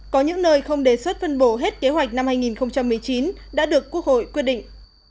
có những nơi không đề xuất phân bổ hết kế hoạch năm hai nghìn một mươi chín đã được quốc hội quyết định